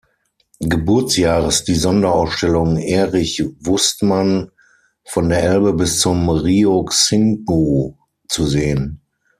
Geburtsjahres die Sonderausstellung Erich Wustmann "Von der Elbe bis zum Rio Xingu" zu sehen.